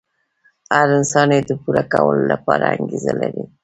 هر انسان يې د پوره کولو لپاره انګېزه لري.